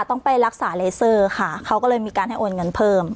ต้องไปรักษาเลเซอร์ค่ะเขาก็เลยมีการให้โอนเงินเพิ่ม